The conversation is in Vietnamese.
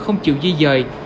không chịu di dời